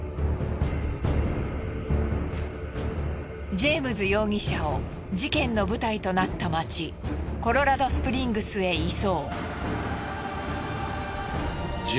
ジェームズ容疑者を事件の舞台となった街コロラドスプリングスへ移送。